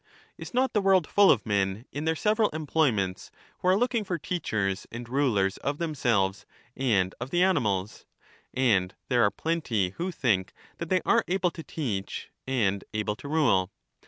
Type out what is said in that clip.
Is not the world full of men in their several employ ments, who are looking for teachers and rulers of themselves and of the animals ? and there are plenty who think that they are able to teach and able to rule.